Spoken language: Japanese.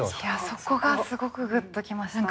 そこがすごくグッときました。